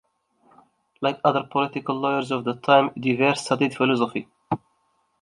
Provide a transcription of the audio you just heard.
Like other political lawyers of the time, Du Vair studied philosophy.